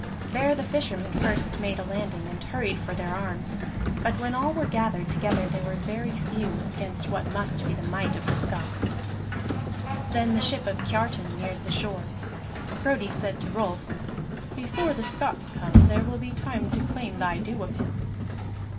There the fishermen first made a landing, and hurried for their arms; but when all were gathered together they were very few against what must be the might of the Scots. Then the ship of Kiartan neared the shore. Frodi said to Rolf: "Before the Scots come there will be time to claim thy due of him."